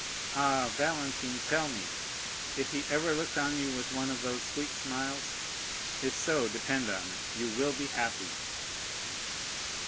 Ah, Valentine, tell me, if he ever looked on you with one of those sweet smiles? if so, depend on it, you will be happy."